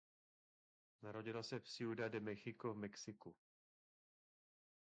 Narodila se v Ciudad de México v Mexiku.